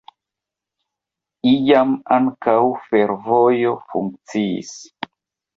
Iam ankaŭ fervojo funkciis.